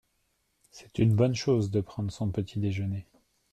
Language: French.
C’est une bonne chose de prendre son petit-déjeuner.